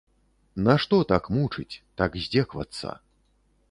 Нашто так мучыць, так здзекавацца?